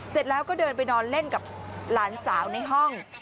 เสร็จแล้วก็เดินไปนอนเล่นกับหลานสาวในห้อง